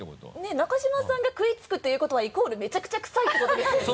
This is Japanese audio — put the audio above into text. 中島さんが食いつくっていうことはイコールめちゃくちゃクサいってことですよね？